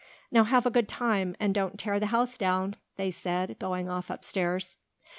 "Now have a good time and don't tear the house down," they said, going off upstairs.